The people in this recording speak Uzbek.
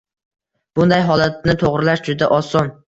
Bunday holatni to‘g‘rilash juda oson.